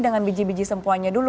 dengan biji biji sempuanya dulu